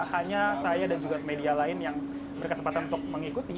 hanya saya dan juga media lain yang berkesempatan untuk mengikuti